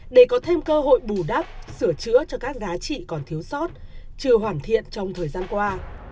để có thêm cơ hội bù đắp sửa chữa cho các giá trị còn thiếu sót chưa hoàn thiện trong thời gian qua